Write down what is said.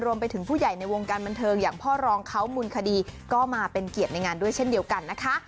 รวมไปถึงผู้ใหญ่ในวงการบันเทิงอย่างพ่อรองเขามูลคดีก็มาเป็นเกียรติในงานด้วยเช่นเดียวกันนะคะ